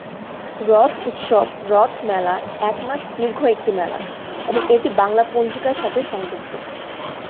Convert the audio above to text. রথ উৎসব, রথ মেলা এক মাস দীর্ঘ একটি মেলা, এবং এটি বাংলা পঞ্জিকার সাথে সংযুক্ত।